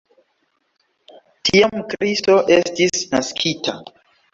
Tiam Kristo estis naskita.